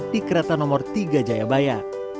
di kereta nomor tiga jayabaya